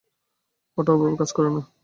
এটা ওভাবে কাজ করে না।